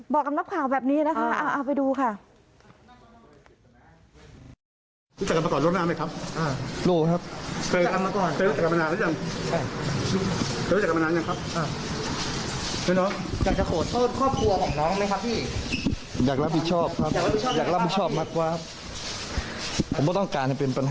บอกกับนักข่าวแบบนี้นะคะเอาไปดูค่ะ